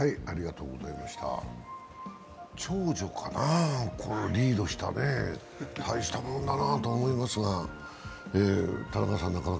長女かな、このリードしたねたいしたもんだなと思いますが。